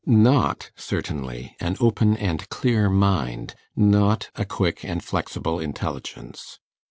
Not, certainly, an open and clear mind, not a quick and flexible intelligence.